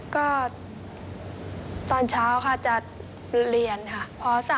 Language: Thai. ก็ตอนเช้าค่ะจะเรียนค่ะพ๓